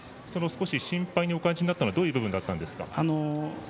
少し心配にお感じになったのはどの辺りだったんですか。